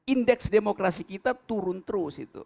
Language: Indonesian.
indeks demokrasi kita turun terus